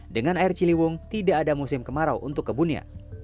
dengan air ciliwung tidak ada musim kemarau untuk kebunnya